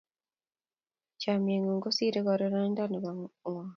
Chomye ng'ung' kosire kororindap ng'wony.